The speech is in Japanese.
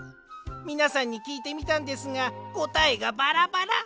みなさんにきいてみたんですがこたえがバラバラ！